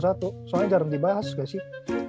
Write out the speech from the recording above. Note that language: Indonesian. soalnya jarang dibahas gak sih